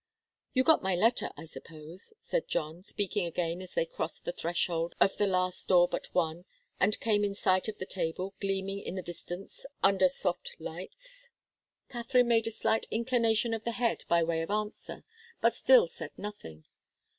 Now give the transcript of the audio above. "You got my letter, I suppose," said John, speaking again as they crossed the threshold of the last door but one, and came in sight of the table, gleaming in the distance under soft lights. Katharine made a slight inclination of the head by way of answer, but still said nothing.